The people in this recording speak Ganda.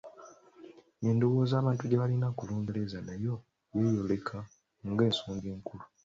Endowooza abantu gye balina ku Lungereza nayo yeeyoleka nga nsonga nkulu.